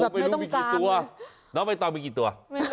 ไม่รู้มีกี่ตัวน้องใบตองมีกี่ตัว